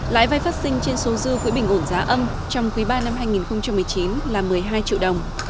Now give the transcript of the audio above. lãi vay phát sinh trên số dư quỹ bình ổn giá âm trong quỹ ba năm hai nghìn một mươi chín là một mươi hai triệu đồng